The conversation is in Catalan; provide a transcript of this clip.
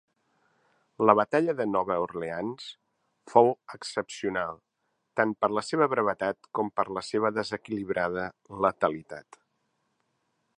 La batalla de Nova Orleans fou excepcional tant per la seva brevetat com per la seva desequilibrada letalitat.